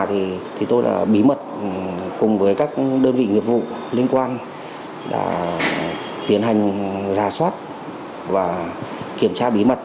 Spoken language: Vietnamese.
thì tôi là bí mật cùng với các đơn vị nghiệp vụ liên quan đã tiến hành rà soát và kiểm tra bí mật